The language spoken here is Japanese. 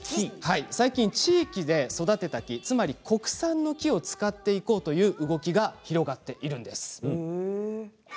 最近地域で育てた木つまり国産の木を使っていこうという、動きが広がっています。